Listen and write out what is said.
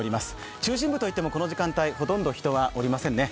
中心部と言っても、この時間帯、ほとんど人がおりませんね。